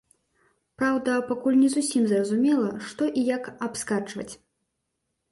Праўда, пакуль не зусім зразумела, што і як абскарджваць.